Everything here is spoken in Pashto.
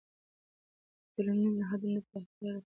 که د ټولنیزو نهادونو د پراختیا لپاره هڅه وسي، نو پرمختګ ممکن دی.